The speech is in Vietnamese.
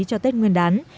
cho tết nguyên đán